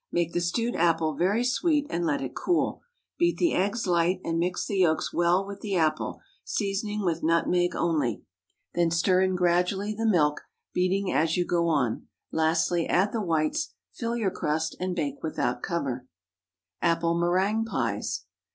Make the stewed apple very sweet, and let it cool. Beat the eggs light, and mix the yolks well with the apple, seasoning with nutmeg only. Then stir in gradually the milk, beating as you go on; lastly add the whites; fill your crust and bake without cover. APPLE MÉRINGUE PIES.